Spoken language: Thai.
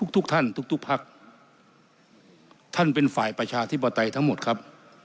ทุกท่านทุกพักท่านเป็นฝ่ายประชาธิปไตยทั้งหมดครับ